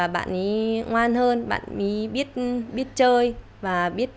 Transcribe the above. bạn ấy ngoan hơn bạn ấy biết chơi